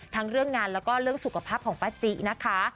ทั้งเรื่องงานแล้วก็เรื่องสุขภาพของป้าจินะคะ